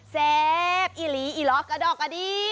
เซฟอีหลีอีหลอกกะดอกกะดี้